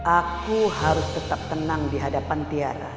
aku harus tetap tenang di hadapan tiara